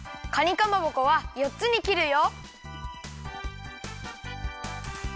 かまぼこはよっつにきるよ。